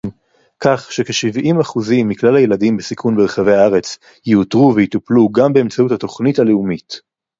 כך שכשבעים אחוזים מכלל הילדים בסיכון ברחבי הארץ יאותרו ויטופלו גם באמצעות התוכנית הלאומית